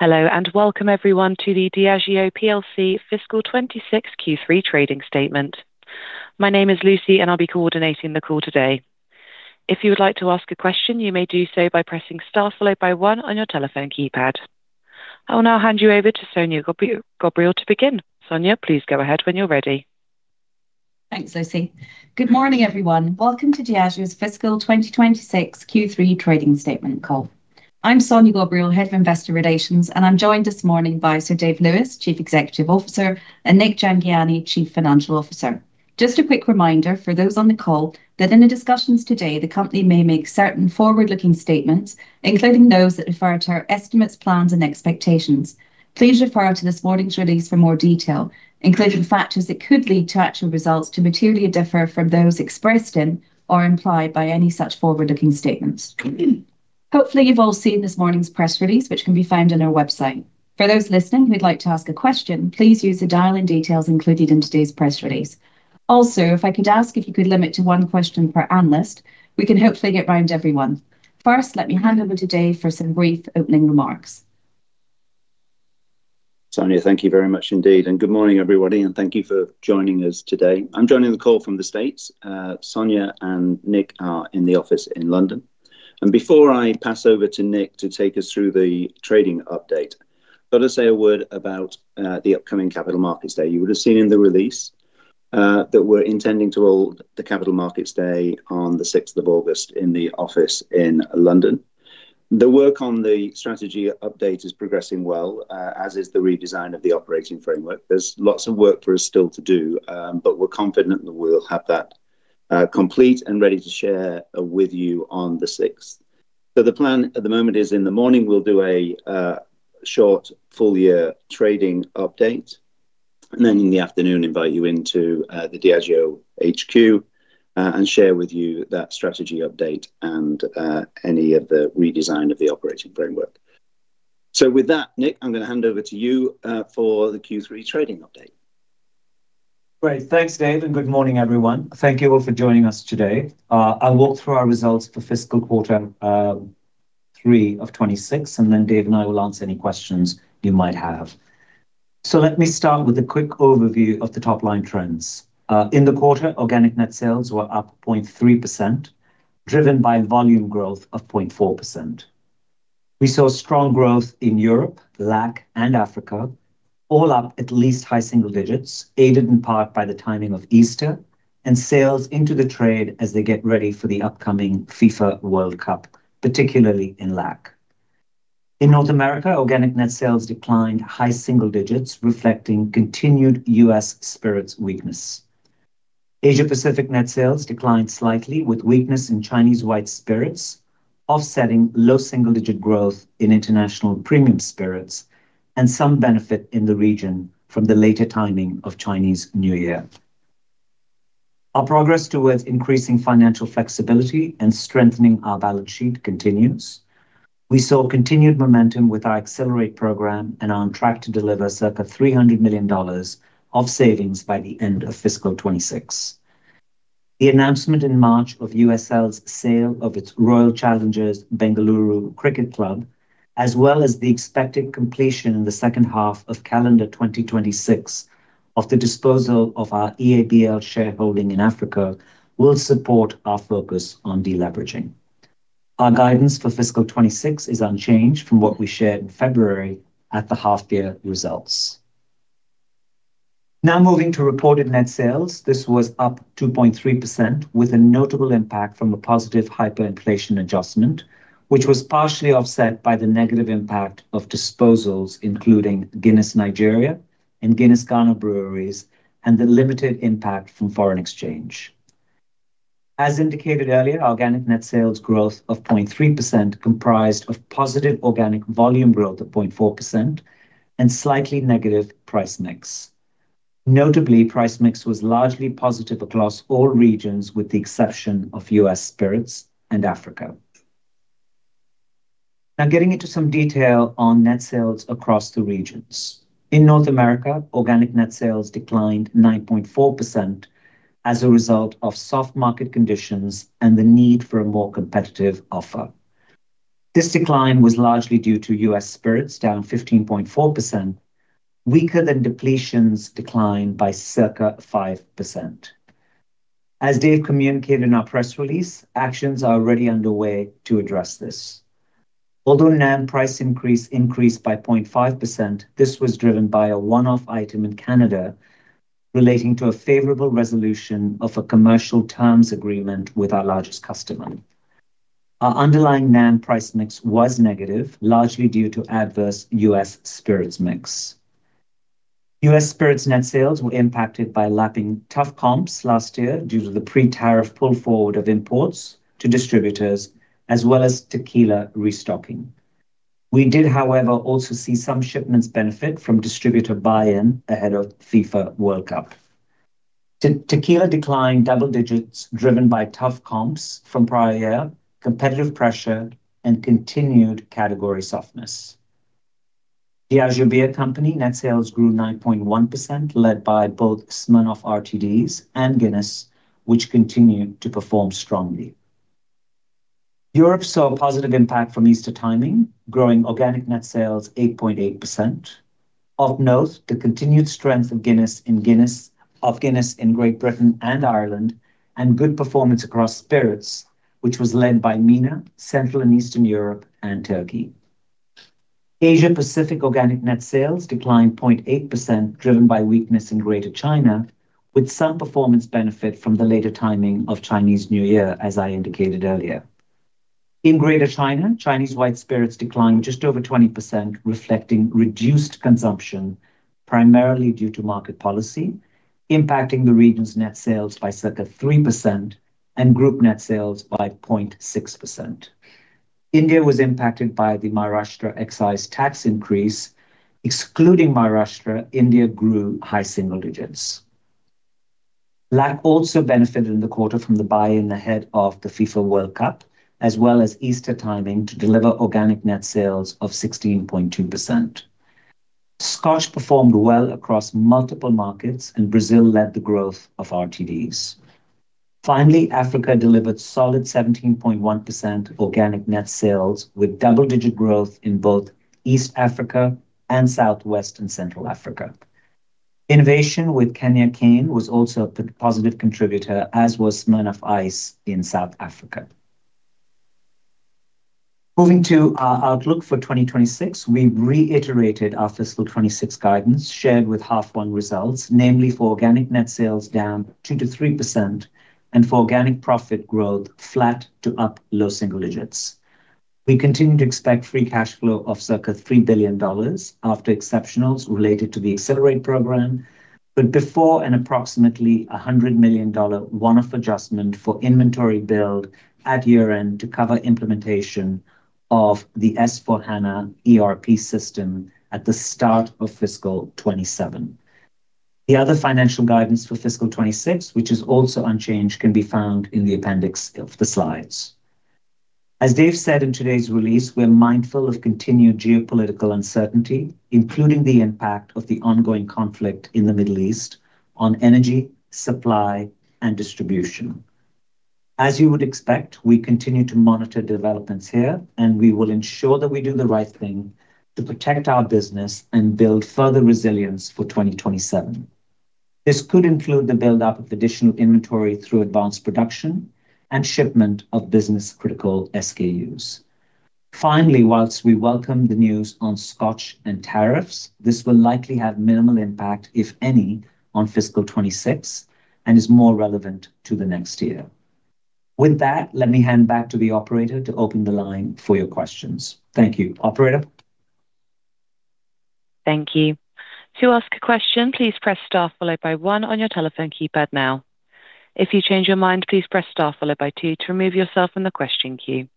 Hello, and welcome everyone to the Diageo PLC Fiscal 2026 Q3 trading statement. My name is Lucy, and I'll be coordinating the call today. If you would like to ask a question, you may do so by pressing star followed by one on your telephone keypad. I will now hand you over to Sonya Ghobrial to begin. Sonya, please go ahead when you're ready. Thanks, Lucy. Good morning, everyone. Welcome to Diageo's Fiscal 2026 Q3 trading statement call. I'm Sonya Ghobrial, Head of Investor Relations, and I'm joined this morning by Sir Dave Lewis, Chief Executive Officer, and Nik Jhangiani, Chief Financial Officer. Just a quick reminder for those on the call that in the discussions today, the company may make certain forward-looking statements, including those that refer to our estimates, plans, and expectations. Please refer to this morning's release for more detail, including factors that could lead to actual results to materially differ from those expressed in or implied by any such forward-looking statements. Hopefully, you've all seen this morning's press release, which can be found on our website. For those listening who'd like to ask a question, please use the dial-in details included in today's press release. If I could ask if you could limit to one question per analyst, we can hopefully get round to everyone. First, let me hand over to Dave for some brief opening remarks. Sonya, thank you very much indeed. Good morning, everybody, and thank you for joining us today. I'm joining the call from the States. Sonya and Nik are in the office in London. Before I pass over to Nik to take us through the trading update, thought I'd say a word about the upcoming Capital Markets Day. You would have seen in the release that we're intending to hold the Capital Markets Day on the 6th of August in the office in London. The work on the strategy update is progressing well, as is the redesign of the operating framework. There's lots of work for us still to do, but we're confident that we'll have that complete and ready to share with you on the 6th. The plan at the moment is in the morning, we'll do a short full year trading update, and then in the afternoon, invite you into the Diageo HQ and share with you that strategy update and any of the redesign of the operating framework. With that, Nik, I'm gonna hand over to you for the Q3 trading update. Great. Thanks, Dave, good morning, everyone. Thank you all for joining us today. I'll walk through our results for fiscal quarter three of 2026. Dave and I will answer any questions you might have. Let me start with a quick overview of the top line trends. In the quarter, organic net sales were up 0.3%, driven by volume growth of 0.4%. We saw strong growth in Europe, LAC, and Africa, all up at least high single digits, aided in part by the timing of Easter and sales into the trade as they get ready for the upcoming FIFA World Cup, particularly in LAC. In North America, organic net sales declined high single digits, reflecting continued U.S. spirits weakness. Asia-Pacific net sales declined slightly, with weakness in Chinese white spirits, offsetting low single-digit growth in international premium spirits and some benefit in the region from the later timing of Chinese New Year. Our progress towards increasing financial flexibility and strengthening our balance sheet continues. We saw continued momentum with our Accelerate program and are on track to deliver circa $300 million of savings by the end of fiscal 2026. The announcement in March of USL's sale of its Royal Challengers Bengaluru cricket club, as well as the expected completion in the second half of calendar 2026 of the disposal of our EABL shareholding in Africa, will support our focus on deleveraging. Our guidance for fiscal 2026 is unchanged from what we shared in February at the half-year results. Moving to reported net sales. This was up 2.3% with a notable impact from a positive hyperinflation adjustment, which was partially offset by the negative impact of disposals including Guinness Nigeria and Guinness Ghana Breweries and the limited impact from foreign exchange. As indicated earlier, organic net sales growth of 0.3% comprised of positive organic volume growth of 0.4% and slightly negative price mix. Notably, price mix was largely positive across all regions, with the exception of U.S. spirits and Africa. Getting into some detail on net sales across the regions. In North America, organic net sales declined 9.4% as a result of soft market conditions and the need for a more competitive offer. This decline was largely due to U.S. spirits down 15.4%, weaker than depletions decline by circa 5%. As Dave communicated in our press release, actions are already underway to address this. Although NAM price increase increased by 0.5%, this was driven by a one-off item in Canada relating to a favorable resolution of a commercial terms agreement with our largest customer. Our underlying NAM price mix was negative, largely due to adverse U.S. spirits mix. U.S. spirits net sales were impacted by lapping tough comps last year due to the pre-tariff pull forward of imports to distributors as well as tequila restocking. We did, however, also see some shipments benefit from distributor buy-in ahead of FIFA World Cup. Tequila declined double digits driven by tough comps from prior year, competitive pressure, and continued category softness. Diageo Beer Company net sales grew 9.1%, led by both Smirnoff RTDs and Guinness, which continued to perform strongly. Europe saw a positive impact from Easter timing, growing organic net sales 8.8%. Of note, the continued strength of Guinness in Great Britain and Ireland, and good performance across spirits, which was led by MENA, Central and Eastern Europe and Turkey. Asia Pacific organic net sales declined 0.8%, driven by weakness in Greater China, with some performance benefit from the later timing of Chinese New Year, as I indicated earlier. In Greater China, Chinese white spirits declined just over 20%, reflecting reduced consumption, primarily due to market policy, impacting the region's net sales by circa 3% and group net sales by 0.6%. India was impacted by the Maharashtra excise tax increase. Excluding Maharashtra, India grew high single digits. LAC also benefited in the quarter from the buy-in ahead of the FIFA World Cup, as well as Easter timing to deliver organic net sales of 16.2%. Scotch performed well across multiple markets, and Brazil led the growth of RTDs. Finally, Africa delivered solid 17.1% organic net sales, with double-digit growth in both East Africa and Southwest and Central Africa. Innovation with Kenya Cane was also a positive contributor, as was Smirnoff Ice in South Africa. Moving to our outlook for 2026, we reiterated our fiscal 2026 guidance shared with half one results, namely for organic net sales down 2%-3% and for organic profit growth flat to up low single digits. We continue to expect free cash flow of circa $3 billion after exceptionals related to the Accelerate program, but before an approximately $100 million one-off adjustment for inventory build at year-end to cover implementation of the S/4HANA ERP system at the start of fiscal 2027. The other financial guidance for fiscal 2026, which is also unchanged, can be found in the appendix of the slides. As Dave said in today's release, we're mindful of continued geopolitical uncertainty, including the impact of the ongoing conflict in the Middle East on energy, supply, and distribution. As you would expect, we continue to monitor developments here, and we will ensure that we do the right thing to protect our business and build further resilience for 2027. This could include the buildup of additional inventory through advanced production and shipment of business-critical SKUs. Finally, whilst we welcome the news on Scotch and tariffs, this will likely have minimal impact, if any, on fiscal 2026 and is more relevant to the next year. With that, let me hand back to the operator to open the line for your questions. Thank you. Operator? Thank you. To ask a question, please press star followed by one on your telephone keypad now. If you change your mind, please press star followed by two to remove yourself from the question queue.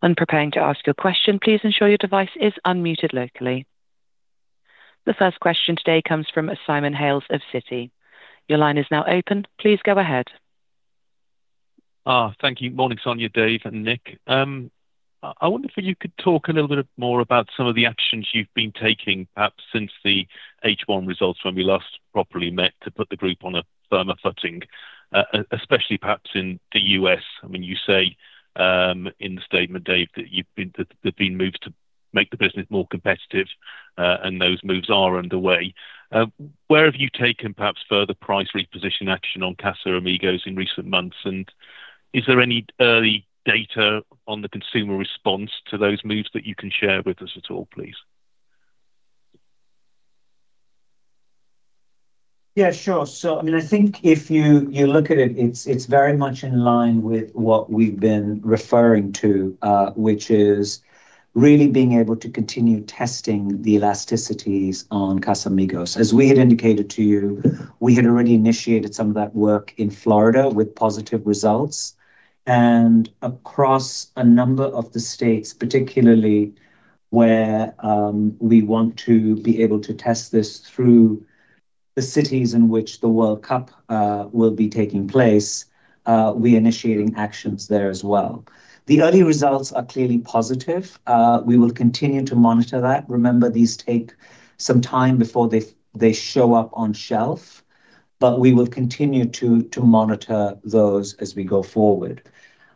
When preparing to ask a question, please ensure your device is unmuted locally. The first question today comes from Simon Hales of Citi. Your line is now open. Please go ahead. Thank you. Morning, Sonya, Dave, and Nik. I wonder if you could talk a little bit more about some of the actions you've been taking perhaps since the H1 results when we last properly met to put the group on a firmer footing, especially perhaps in the U.S. I mean, you say in the statement, Dave, that you've made moves to make the business more competitive, and those moves are underway. Where have you taken perhaps further price reposition action on Casamigos in recent months? Is there any early data on the consumer response to those moves that you can share with us at all, please? Sure. I mean, I think if you look at it's very much in line with what we've been referring to, which is really being able to continue testing the elasticities on Casamigos. As we had indicated to you, we had already initiated some of that work in Florida with positive results. Across a number of the states, particularly where we want to be able to test this through the cities in which the World Cup will be taking place, we're initiating actions there as well. The early results are clearly positive. We will continue to monitor that. Remember, these take some time before they show up on shelf, but we will continue to monitor those as we go forward.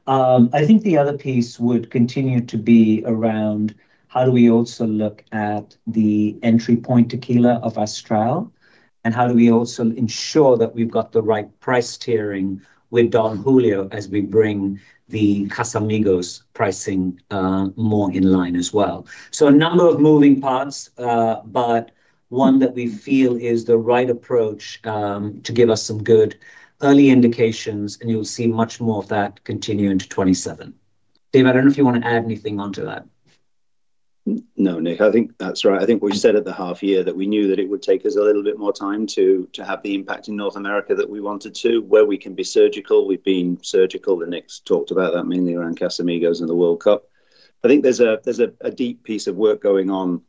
I think the other piece would continue to be around how do we also look at the entry point tequila of Astral, and how do we also ensure that we've got the right price tiering with Don Julio as we bring the Casamigos pricing more in line as well. A number of moving parts, but one that we feel is the right approach to give us some good early indications, and you'll see much more of that continue into 2027. Dave Lewis, I don't know if you wanna add anything onto that. No, Nik, I think that's right. I think we said at the half year that we knew that it would take us a little bit more time to have the impact in North America that we wanted to. Where we can be surgical, we've been surgical, and Nik's talked about that mainly around Casamigos and the World Cup. I think there's a deep piece of work going on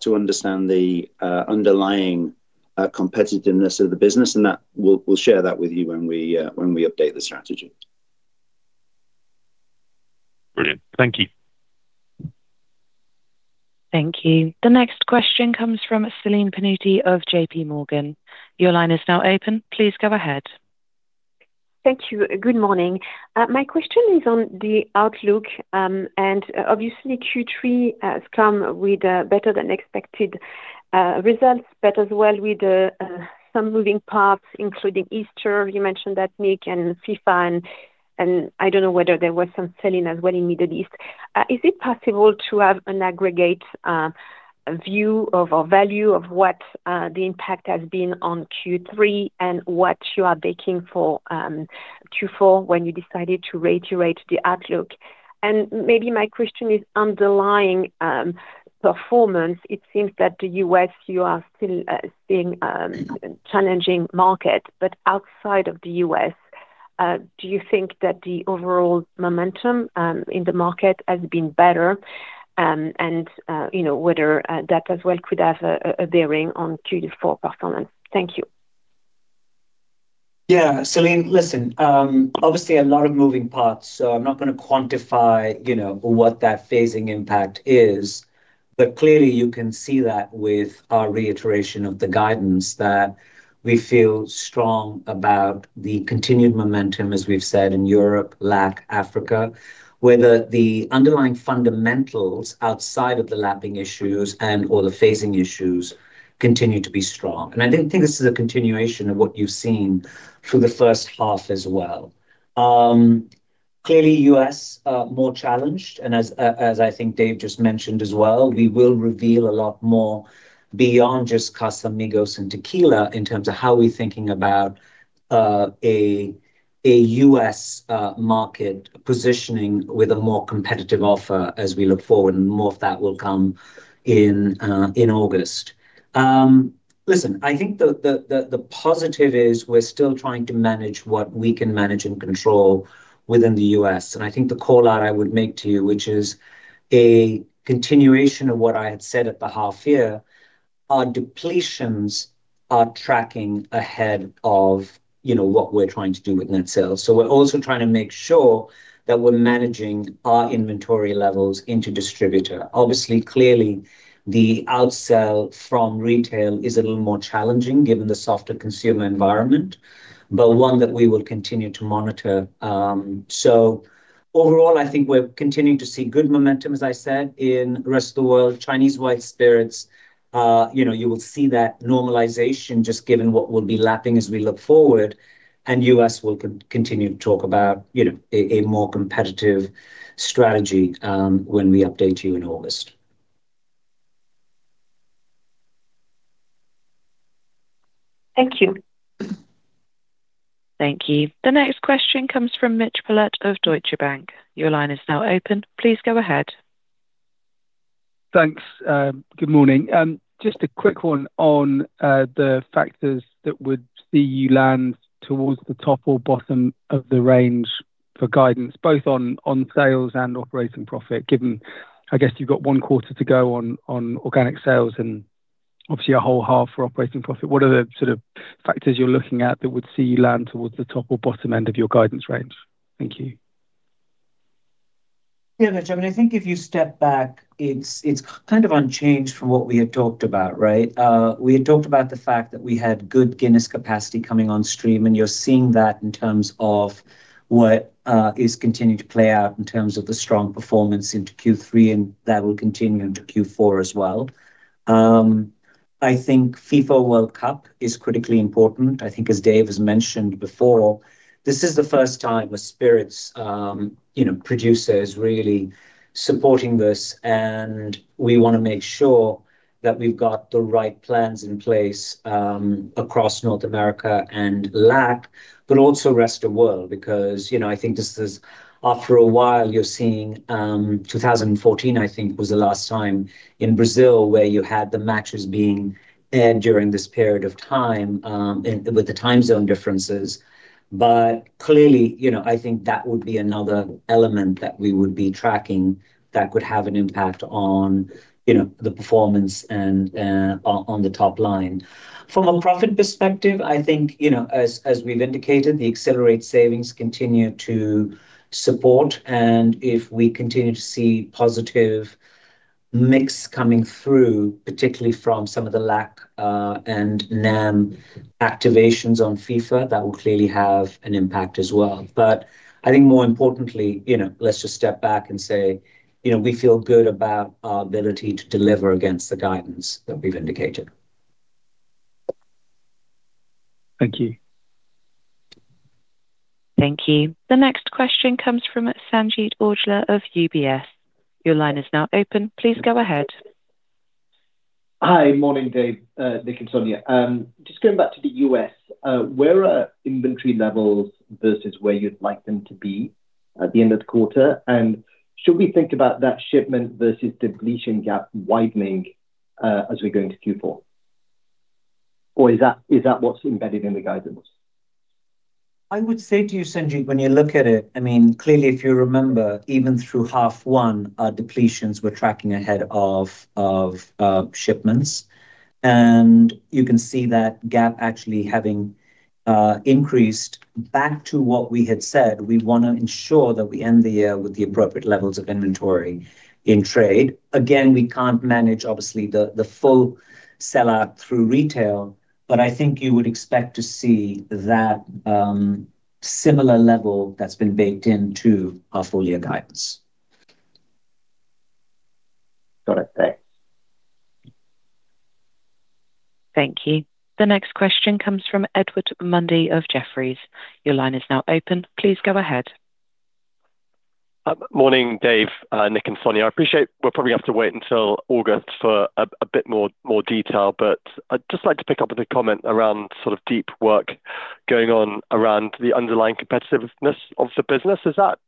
to understand the underlying competitiveness of the business, and that we'll share that with you when we update the strategy. Brilliant. Thank you. Thank you. The next question comes from Celine Pannuti of JPMorgan. Your line is now open. Please go ahead. Thank you. Good morning. My question is on the outlook, obviously Q3 has come with better than expected results, but as well with some moving parts, including Easter, you mentioned that, Nik, FIFA. I don't know whether there were some selling as well in Middle East. Is it possible to have an aggregate view of or value of what the impact has been on Q3 and what you are backing for Q4 when you decided to reiterate the outlook? Maybe my question is underlying performance. It seems that the U.S., you are still seeing challenging market. Outside of the U.S., do you think that the overall momentum in the market has been better, and, you know, whether that as well could have a bearing on Q4 performance? Thank you. Yeah. Celine, listen, obviously a lot of moving parts, so I'm not gonna quantify, you know, what that phasing impact is. Clearly you can see that with our reiteration of the guidance that we feel strong about the continued momentum as we've said in Europe, LAC, Africa, where the underlying fundamentals outside of the lapping issues and all the phasing issues continue to be strong. I think this is a continuation of what you've seen through the first half as well. Clearly U.S., more challenged, and as I think Dave just mentioned as well, we will reveal a lot more beyond just Casamigos and tequila in terms of how we're thinking about a U.S. market positioning with a more competitive offer as we look forward, and more of that will come in August. Listen, I think the positive is we're still trying to manage what we can manage and control within the U.S., and I think the call-out I would make to you, which is a continuation of what I had said at the half year, our depletions are tracking ahead of, you know, what we're trying to do with net sales. We're also trying to make sure that we're managing our inventory levels into distributor. Obviously, clearly, the outsell from retail is a little more challenging given the softer consumer environment, but one that we will continue to monitor. Overall, I think we're continuing to see good momentum, as I said, in the rest of the world. Chinese white spirits, you know, you will see that normalization just given what we'll be lapping as we look forward, and U.S. we'll continue to talk about, you know, a more competitive strategy, when we update you in August. Thank you. Thank you. The next question comes from Mitch Collett of Deutsche Bank. Your line is now open. Please go ahead. Thanks. Good morning. Just a quick one on the factors that would see you land towards the top or bottom of the range for guidance, both on sales and operating profit, given I guess you've got one quarter to go on organic sales and obviously a whole half for operating profit. What are the sort of factors you're looking at that would see you land towards the top or bottom end of your guidance range? Thank you. Yeah, Mitch. I mean, I think if you step back, it's kind of unchanged from what we had talked about, right? We had talked about the fact that we had good Guinness capacity coming on stream. You're seeing that in terms of what is continuing to play out in terms of the strong performance into Q3, and that will continue into Q4 as well. I think FIFA World Cup is critically important. I think as Dave has mentioned before, this is the first time a spirits, you know, producer is really supporting this, and we wanna make sure that we've got the right plans in place across North America and LAC, but also rest of world because, you know, I think this is after a while you're seeing, 2014, I think, was the last time in Brazil where you had the matches being aired during this period of time, and with the time zone differences. Clearly, you know, I think that would be another element that we would be tracking that could have an impact on, you know, the performance and on the top line. From a profit perspective, I think, you know, as we've indicated, the Accelerate savings continue to support, and if we continue to see positive mix coming through, particularly from some of the LAC and NAM activations on FIFA, that will clearly have an impact as well. I think more importantly, you know, let's just step back and say, you know, we feel good about our ability to deliver against the guidance that we've indicated. Thank you. Thank you. The next question comes from Sanjeet Aujla of UBS. Your line is now open. Please go ahead. Hi. Morning, Dave, Nik, and Sonya. Just going back to the U.S., where are inventory levels versus where you'd like them to be at the end of the quarter? Should we think about that shipment versus depletion gap widening, as we go into Q4, or is that what's embedded in the guidance? I would say to you, Sanjeet, when you look at it, I mean, clearly if you remember, even through half one, our depletions were tracking ahead of shipments. You can see that gap actually having increased back to what we had said. We wanna ensure that we end the year with the appropriate levels of inventory in trade. Again, we can't manage obviously the full sell out through retail. I think you would expect to see that similar level that's been baked into our full year guidance. Got it. Thanks. Thank you. The next question comes from Edward Mundy of Jefferies. Your line is now open. Please go ahead. Morning, Dave, Nik, and Sonya. I appreciate we'll probably have to wait until August for a bit more detail, but I'd just like to pick up with a comment around sort of deep work going on around the underlying competitiveness of the business. Is that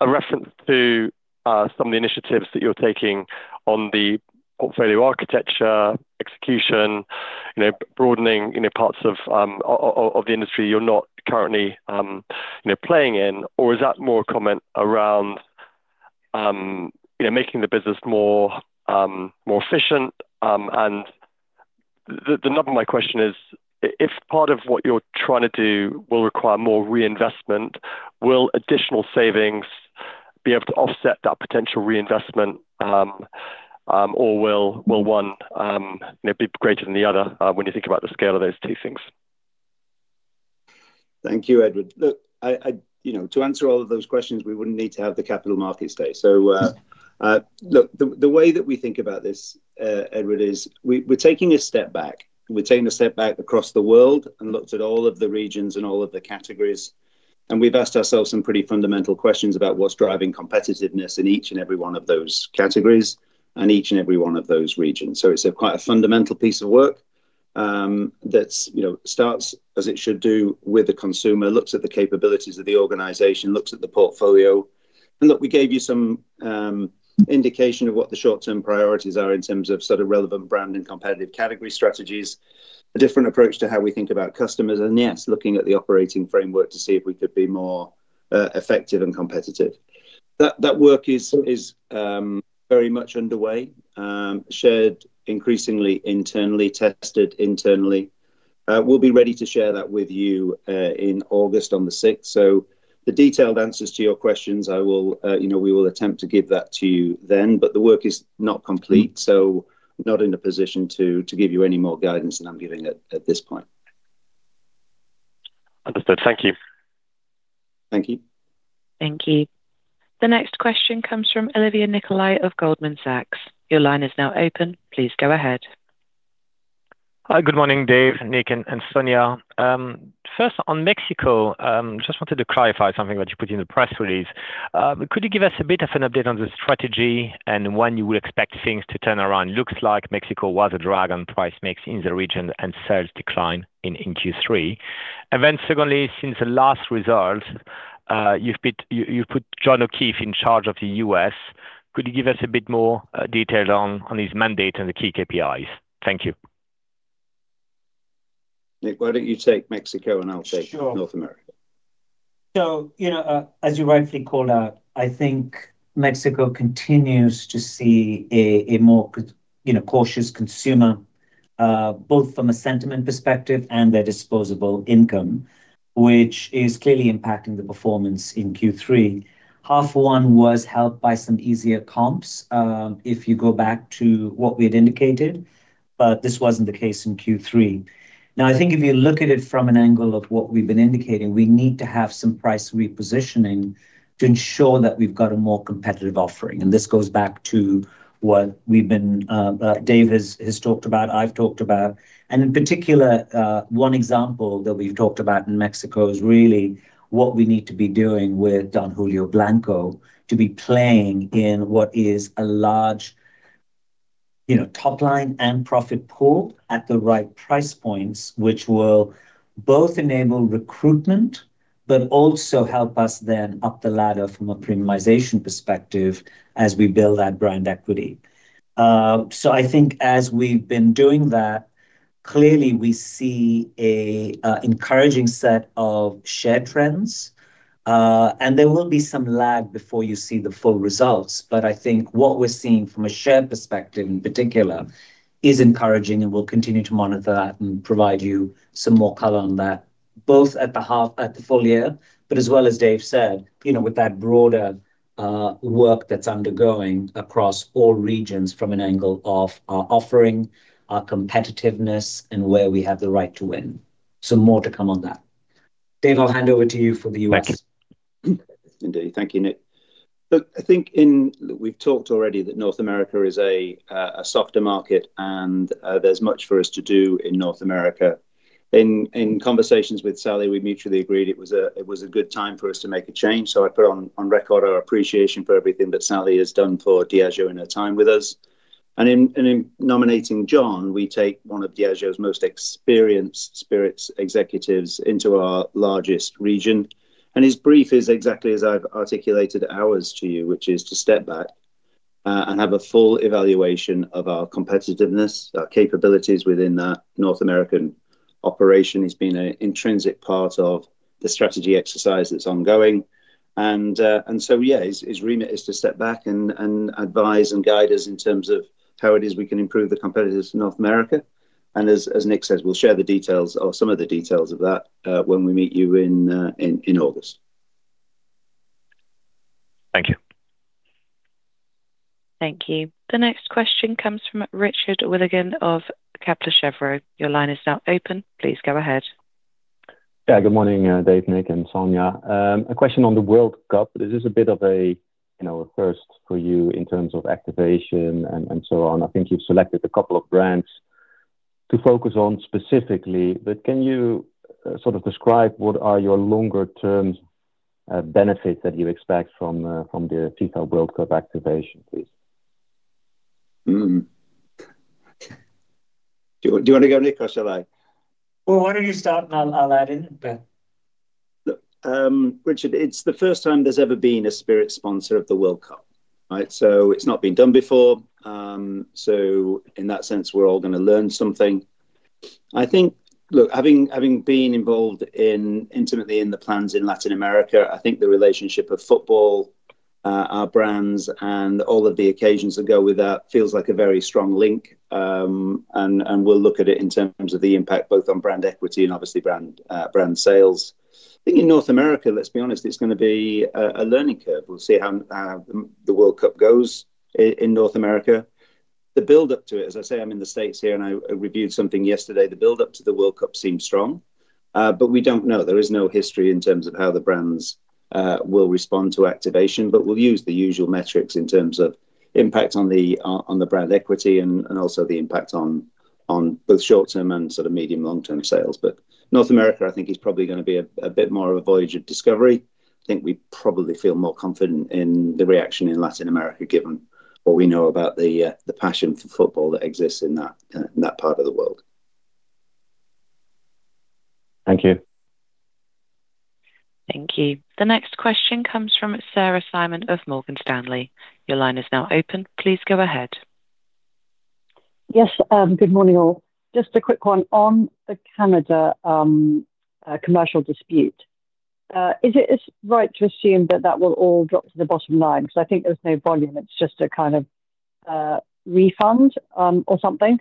a reference to some of the initiatives that you're taking on the portfolio architecture, execution, you know, broadening, you know, parts of the industry you're not currently, you know, playing in, or is that more a comment around, you know, making the business more efficient? The nub of my question is, if part of what you're trying to do will require more reinvestment, will additional savings be able to offset that potential reinvestment, or will one, you know, be greater than the other, when you think about the scale of those two things? Thank you, Edward. Look, you know, to answer all of those questions, we wouldn't need to have the Capital Markets Day. Look, the way that we think about this, Edward, is we're taking a step back. We're taking a step back across the world and looked at all of the regions and all of the categories, and we've asked ourselves some pretty fundamental questions about what's driving competitiveness in each and every one of those categories and each and every one of those regions. It's a quite a fundamental piece of work that's, you know, starts, as it should do, with the consumer, looks at the capabilities of the organization, looks at the portfolio. Look, we gave you some indication of what the short-term priorities are in terms of sort of relevant brand and competitive category strategies, a different approach to how we think about customers, and yes, looking at the operating framework to see if we could be more effective and competitive. That work is very much underway. Shared increasingly internally, tested internally. We'll be ready to share that with you in August on the 6th. The detailed answers to your questions, I will, you know, we will attempt to give that to you then, but the work is not complete, so not in a position to give you any more guidance than I'm giving at this point. Understood. Thank you. Thank you. Thank you. The next question comes from Olivier Nicolai of Goldman Sachs. Your line is now open. Please go ahead. Hi. Good morning, Dave, Nik, and Sonya. First on Mexico, just wanted to clarify something that you put in the press release. Could you give us a bit of an update on the strategy and when you would expect things to turn around? Looks like Mexico was a drag on price mix in the region and sales decline in Q3. Secondly, since the last result, you've put John O'Keeffe in charge of the U.S. Could you give us a bit more detail on his mandate and the key KPIs? Thank you. Nik, why don't you take Mexico. Sure. North America. You know, as you rightly call out, I think Mexico continues to see a more you know, cautious consumer, both from a sentiment perspective and their disposable income, which is clearly impacting the performance in Q3. Half one was helped by some easier comps, if you go back to what we had indicated, but this wasn't the case in Q3. I think if you look at it from an angle of what we've been indicating, we need to have some price repositioning to ensure that we've got a more competitive offering, and this goes back to what we've been, Dave has talked about, I've talked about. In particular, one example that we've talked about in Mexico is really what we need to be doing with Don Julio Blanco to be playing in what is a large, you know, top line and profit pool at the right price points, which will both enable recruitment but also help us then up the ladder from a premiumization perspective as we build that brand equity. I think as we've been doing that, clearly we see a encouraging set of share trends. There will be some lag before you see the full results, but I think what we're seeing from a share perspective in particular is encouraging and we'll continue to monitor that and provide you some more color on that, both at the half, at the full year. As well as Dave said, you know, with that broader, work that's undergoing across all regions from an angle of our offering, our competitiveness, and where we have the right to win. More to come on that. Dave, I'll hand over to you for the U.S. Thanks. Indeed. Thank you, Nik. We've talked already that North America is a softer market, and there's much for us to do in North America. In conversations with Sally, we mutually agreed it was a good time for us to make a change. I put on record our appreciation for everything that Sally has done for Diageo in her time with us. In nominating John, we take one of Diageo's most experienced spirits executives into our largest region, and his brief is exactly as I've articulated ours to you, which is to step back and have a full evaluation of our competitiveness, our capabilities within that North American operation. He's been an intrinsic part of the strategy exercise that's ongoing. His remit is to step back and advise and guide us in terms of how it is we can improve the competitiveness in North America. As Nik says, we'll share the details or some of the details of that when we meet you in August. Thank you. Thank you. The next question comes from Richard Withagen of Kepler Cheuvreux. Your line is now open. Please go ahead. Yeah. Good morning, Dave, Nik and Sonya. A question on the World Cup. This is a bit of a, you know, a first for you in terms of activation and so on. I think you've selected a couple of brands to focus on specifically. Can you sort of describe what are your longer term benefits that you expect from the FIFA World Cup activation, please? Do you wanna go Nik, or shall I? Well, why don't you start and I'll add in at the end. Look, Richard, it's the first time there's ever been a spirit sponsor of the World Cup, right? It's not been done before. In that sense, we're all gonna learn something. I think Look, having been involved in, intimately in the plans in Latin America, I think the relationship of football, our brands and all of the occasions that go with that feels like a very strong link. We'll look at it in terms of the impact both on brand equity and obviously brand sales. I think in North America, let's be honest, it's gonna be a learning curve. We'll see how the World Cup goes in North America. The build up to it, as I say, I'm in the States here, and I reviewed something yesterday, the build up to the World Cup seems strong. We don't know. There is no history in terms of how the brands will respond to activation. We'll use the usual metrics in terms of impact on the brand equity and also the impact on both short term and sort of medium long term sales. North America, I think is probably going to be a bit more of a voyage of discovery. I think we probably feel more confident in the reaction in Latin America, given what we know about the passion for football that exists in that part of the world. Thank you. Thank you. The next question comes from Sarah Simon of Morgan Stanley. Your line is now open. Please go ahead. Yes. Good morning all. Just a quick one on the Canada commercial dispute. Is it right to assume that that will all drop to the bottom line? 'Cause I think there's no volume, it's just a kind of refund or something.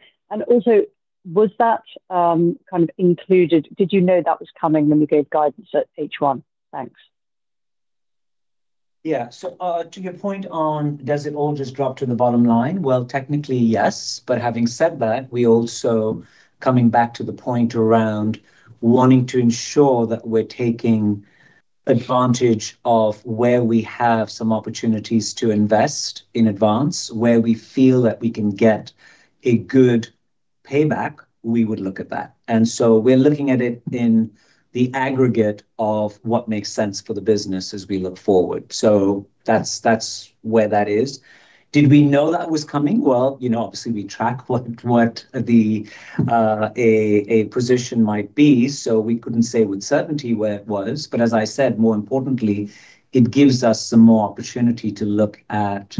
Was that kind of included? Did you know that was coming when you gave guidance at H1? Thanks. To your point on, does it all just drop to the bottom line? Technically yes, but having said that, we also, coming back to the point around wanting to ensure that we're taking advantage of where we have some opportunities to invest in advance, where we feel that we can get a good payback, we would look at that. We're looking at it in the aggregate of what makes sense for the business as we look forward. That's where that is. Did we know that was coming? You know, obviously we track what the position might be, so we couldn't say with certainty where it was. As I said, more importantly, it gives us some more opportunity to look at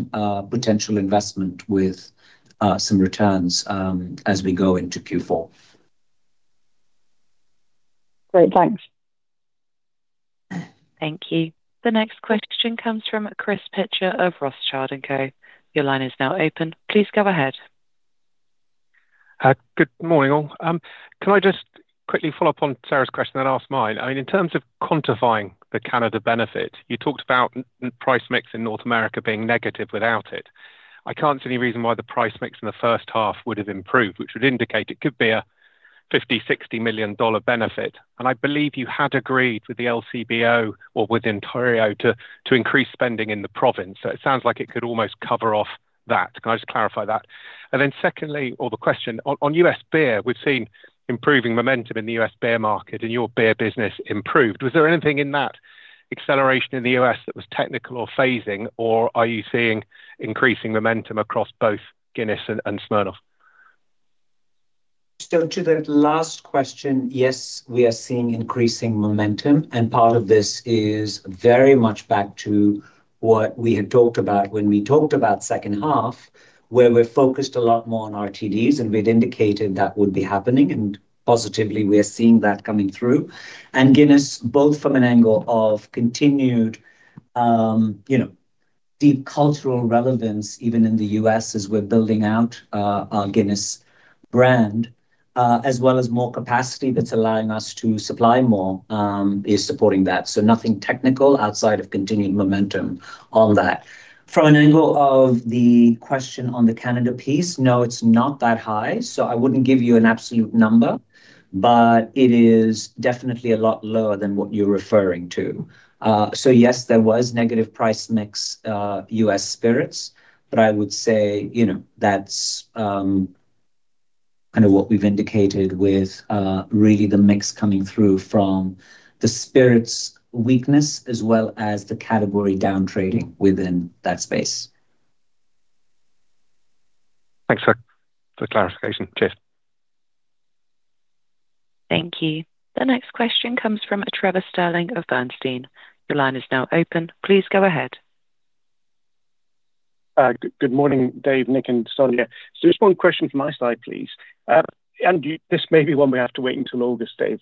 potential investment with some returns as we go into Q4. Great. Thanks. Thank you. The next question comes from Chris Pitcher of Rothschild & Co. Your line is now open. Please go ahead. Good morning all. Can I just quickly follow up on Sarah's question, then ask mine. I mean, in terms of quantifying the Canada benefit, you talked about price mix in North America being negative without it. I can't see any reason why the price mix in the first half would've improved, which would indicate it could be a $50 million, $60 million benefit. I believe you had agreed with the LCBO or with Ontario to increase spending in the province. It sounds like it could almost cover off that. Can I just clarify that? Secondly, or the question, on U.S. beer, we've seen improving momentum in the U.S. beer market and your beer business improved. Was there anything in that acceleration in the U.S. that was technical or phasing, or are you seeing increasing momentum across both Guinness and Smirnoff? To the last question, yes, we are seeing increasing momentum, and part of this is very much back to what we had talked about when we talked about second half, where we're focused a lot more on RTDs, and we'd indicated that would be happening. Positively we are seeing that coming through. Guinness, both from an angle of continued, you know, deep cultural relevance even in the U.S. as we're building out our Guinness brand, as well as more capacity that's allowing us to supply more, is supporting that. Nothing technical outside of continued momentum on that. From an angle of the question on the Canada piece, no, it's not that high. I wouldn't give you an absolute number. It is definitely a lot lower than what you're referring to. Yes, there was negative price mix, U.S. spirits. I would say, you know, that's kind of what we've indicated with really the mix coming through from the spirits weakness as well as the category down trading within that space. Thanks for the clarification. Cheers. Thank you. The next question comes from Trevor Stirling of Bernstein. Your line is now open. Please go ahead. Good morning, Dave, Nik and Sonya. Just one question from my side, please. You, this may be one we have to wait until August, Dave.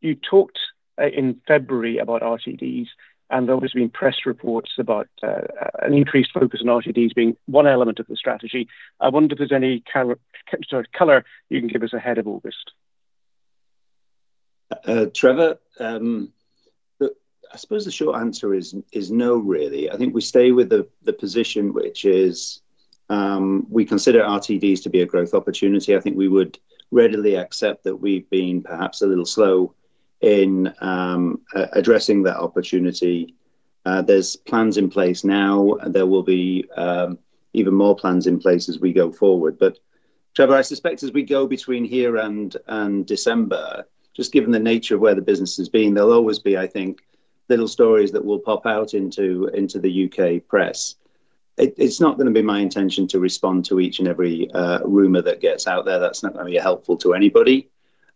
You talked in February about RTDs, and there has been press reports about an increased focus on RTDs being one element of the strategy. I wonder if there's any kind of, sorry, color you can give us ahead of August? Trevor, I suppose the short answer is no, really. I think we stay with the position which is, we consider RTDs to be a growth opportunity. I think we would readily accept that we've been perhaps a little slow in addressing that opportunity. There's plans in place now. There will be even more plans in place as we go forward. Trevor, I suspect as we go between here and December, just given the nature of where the business has been, there'll always be, I think, little stories that will pop out into the U.K. press. It's not going to be my intention to respond to each and every rumor that gets out there. That's not going to be helpful to anybody.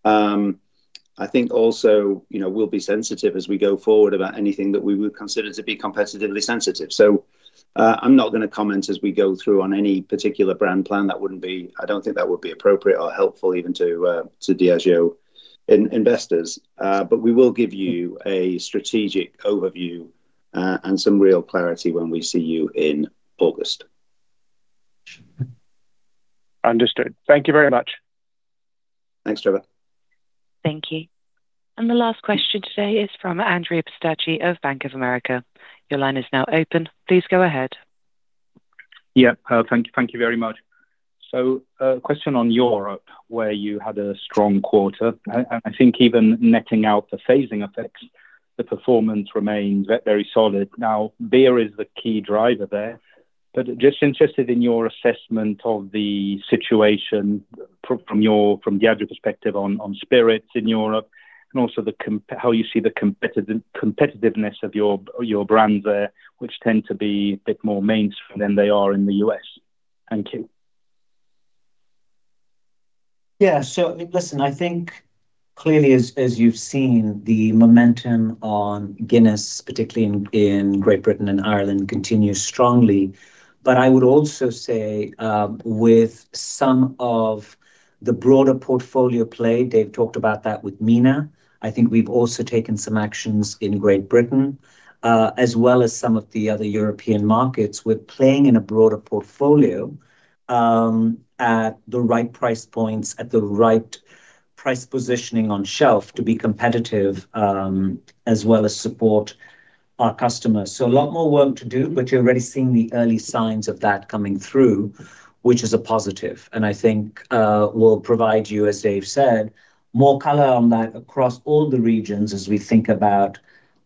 I think also, you know, we'll be sensitive as we go forward about anything that we would consider to be competitively sensitive. I'm not gonna comment as we go through on any particular brand plan. That wouldn't be I don't think that would be appropriate or helpful even to Diageo investors. We will give you a strategic overview, and some real clarity when we see you in August. Understood. Thank you very much. Thanks, Trevor. Thank you. The last question today is from Andrea Pistacchi of Bank of America. Your line is now open. Please go ahead. Thank you very much. Question on Europe, where you had a strong quarter. I think even netting out the phasing effects, the performance remains very solid. Now, beer is the key driver there, but just interested in your assessment of the situation from your, from Diageo perspective on spirits in Europe and also how you see the competitiveness of your brands there, which tend to be a bit more mainstream than they are in the U.S. Thank you. Listen, I think clearly as you've seen, the momentum on Guinness, particularly in Great Britain and Ireland, continues strongly. I would also say, with some of the broader portfolio play, Dave talked about that with MENA. I think we've also taken some actions in Great Britain, as well as some of the other European markets. We're playing in a broader portfolio, at the right price points, at the right price positioning on shelf to be competitive, as well as support our customers. A lot more work to do, but you're already seeing the early signs of that coming through, which is a positive and I think, we'll provide you, as Dave said, more color on that across all the regions as we think about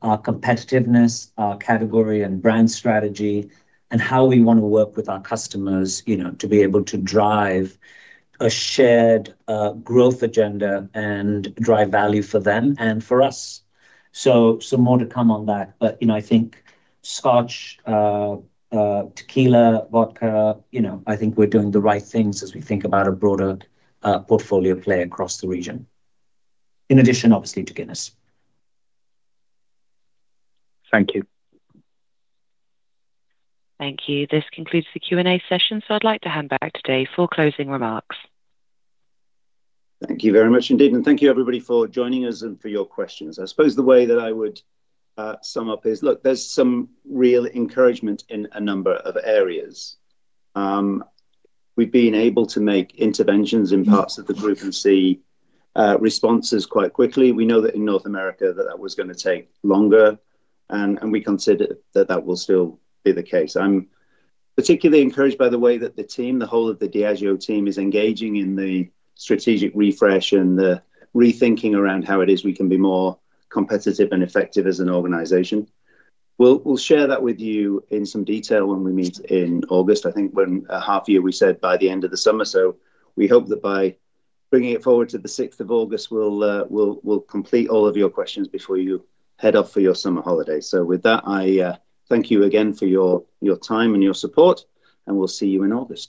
our competitiveness, our category and brand strategy, and how we wanna work with our customers, you know, to be able to drive a shared, growth agenda and drive value for them and for us. Some more to come on that. You know, I think Scotch, tequila, vodka, you know, I think we're doing the right things as we think about a broader, portfolio play across the region, in addition, obviously, to Guinness. Thank you. Thank you. This concludes the Q&A session. I'd like to hand back to Dave for closing remarks. Thank you very much indeed. Thank you everybody for joining us and for your questions. I suppose the way that I would sum up is, look, there's some real encouragement in a number of areas. We've been able to make interventions in parts of the group and see responses quite quickly. We know that in North America that that was going to take longer, and we consider that that will still be the case. I'm particularly encouraged by the way that the team, the whole of the Diageo team, is engaging in the strategic refresh and the rethinking around how it is we can be more competitive and effective as an organization. We'll share that with you in some detail when we meet in August. I think when, half year we said by the end of the summer, we hope that by bringing it forward to the 6th of August we'll complete all of your questions before you head off for your summer holiday. With that, I thank you again for your time and your support, and we'll see you in August.